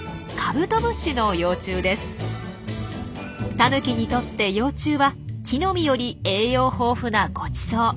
タヌキにとって幼虫は木の実より栄養豊富なごちそう。